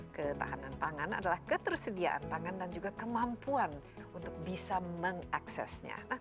ketahanan pangan adalah ketersediaan pangan dan juga kemampuan untuk bisa mengaksesnya